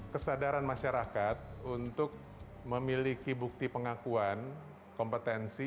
kesadaran masyarakat untuk memiliki bukti pengakuan kompetensi